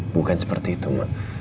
bukan seperti itu ma